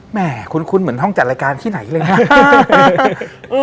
แม่คุ้นเหมือนห้องจัดรายการที่ไหนเลยนะ